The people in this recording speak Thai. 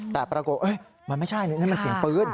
แต่ปรากฏมันไม่ใช่นั่นมันเสียงปืน